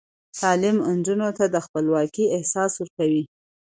تعلیم نجونو ته د خپلواکۍ احساس ورکوي.